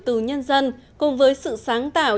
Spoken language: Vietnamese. từ nhân dân cùng với sự sáng tạo